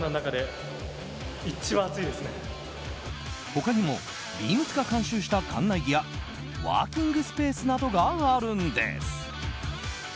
他にもビームスが監修した館内着やワーキングスペースなどがあるんです。